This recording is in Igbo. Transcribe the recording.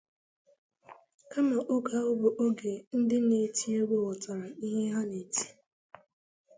kama oge ahụ bụ oge ndị na-eti egwu ghọtara ihe ha na-eti.